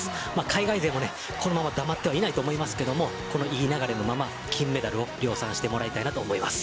海外勢もこのまま黙ってはいないと思いますがこのいい流れのまま金メダルを量産してもらいたいと思います。